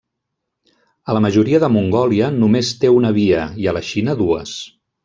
A la majoria de Mongòlia només té una via i a la Xina dues.